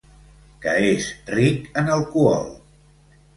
Que és ric en alcohol.